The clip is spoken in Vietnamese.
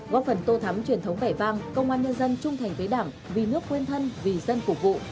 góp phần tô thắm truyền thống vẻ vang công an nhân dân trung thành với đảng vì nước quên thân vì dân phục vụ